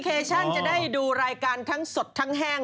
เคชั่นจะได้ดูรายการทั้งสดทั้งแห้ง